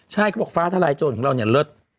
ใช่ก็บอกว่าฟ้าทลายโจทย์ของเราเนี่ยเลิศ